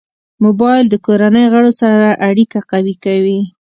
موبایل د کورنۍ غړو سره اړیکه قوي کوي.